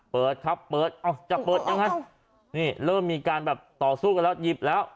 เปิดครับเปิดเอ้าจะเปิดยังไงนี่เริ่มมีการแบบต่อสู้กันแล้วหยิบแล้ว